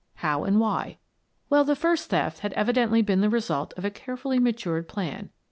How and why? Well, the first theft had evi dently been the result of a carefully matured plan.